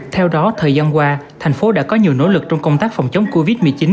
theo đó thời gian qua thành phố đã có nhiều nỗ lực trong công tác phòng chống covid một mươi chín